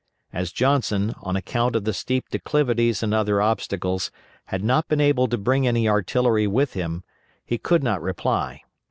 As Johnson, on account of the steep declivities and other obstacles, had not been able to bring any artillery with him, he could not reply.